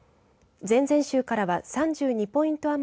前々週から３２ポイント